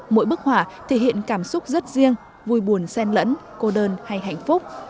mỗi bức họa thể hiện cảm xúc rất riêng vui buồn sen lẫn cô đơn hay hạnh phúc